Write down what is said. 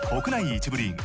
１部リーグ